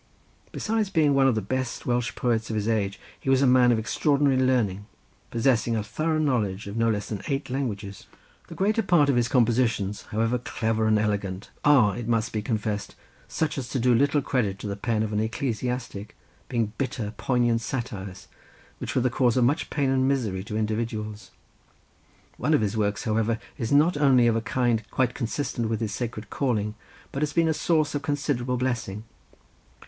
Besides being one of the best Welsh poets of his age he was a man of extraordinary learning, possessing a thorough knowledge of no less than eight languages. The greater part of his compositions, however clever and elegant, are, it must be confessed, such as do little credit to the pen of an ecclesiastic, being bitter poignant satires, which were the cause of much pain and misery to individuals; one of his works, however, is not only of a kind quite consistent with his sacred calling, but has been a source of considerable blessing.